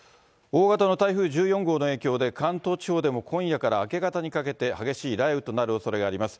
大型の台風１４号の影響で関東地方でも今夜から明け方にかけて、激しい雷雨となるおそれがあります。